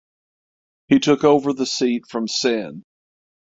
He took over the seat from Sen.